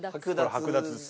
剥奪です。